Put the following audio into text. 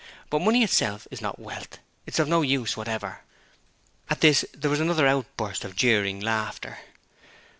But money itself is not wealth: it's of no use whatever.' At this there was another outburst of jeering laughter.